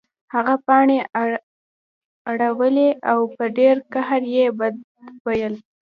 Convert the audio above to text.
هغه پاڼې اړولې او په ډیر قهر یې بد ویل